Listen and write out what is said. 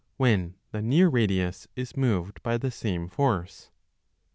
when the near radius is moved by the same force